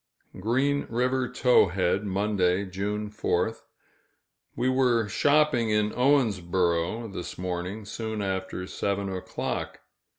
Green River Towhead, Monday, June 4th. We were shopping in Owensboro, this morning, soon after seven o'clock.